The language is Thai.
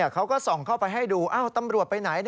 เขาก็ส่องเข้าไปให้ดูตำรวจไปไหน